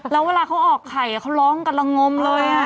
แล้วเวลาเขาออกไข่เขาร้องกันละงมเลย